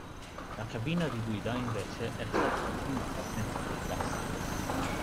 La cabina di guida invece era stata trasformata nel tipo classico.